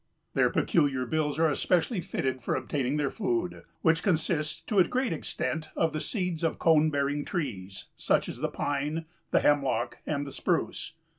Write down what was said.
Their peculiar bills are especially fitted for obtaining their food, which consists to a great extent of the seeds of cone bearing trees, such as the pine, the hemlock and the spruce.